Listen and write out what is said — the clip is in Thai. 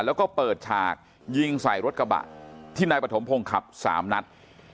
แล้วก็เปิดฉากยิงใส่รถกระบะที่นายปฐมพงศ์ขับ๓นัด